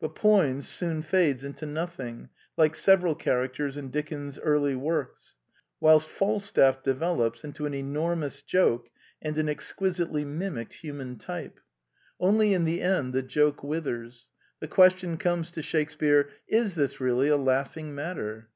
But Poins soon fades into nothing, like several characters in Dickens's early works; whilst Falstaff develops into an enormous joke and an exquisitely mimicked human type. Only 202 The Quintessence of Ibsenism in the end the joke withers. The question comes to Shakespear: Is this really a laughing matter?